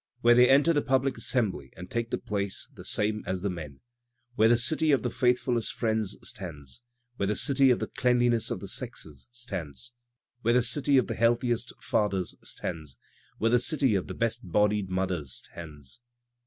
Where they enter the public assembly and take places the same as the men; Where the dty of the faithfulest friends stands. Where the dty of the deanliness of the sexes stands. Where the dty of the healthiest fathers stands. Where the dty of the best bodied mothers stands.